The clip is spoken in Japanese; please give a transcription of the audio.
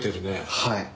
はい。